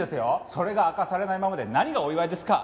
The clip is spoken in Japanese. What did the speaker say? それが明かされないままで何がお祝いですか。